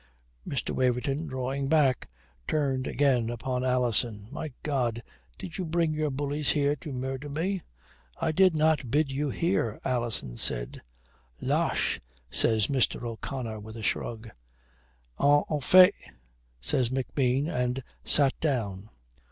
Mr. Waverton, drawing back, turned again upon Alison: "My God, did you bring your bullies here to murder me?" "I did not bid you here," Alison said. "Lâche," says Mr. O'Connor with a shrug. "En effet," says McBean and sat down.